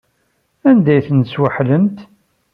Anda ay tent-tesweḥlemt?